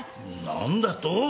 何だと！？